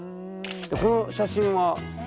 この写真は？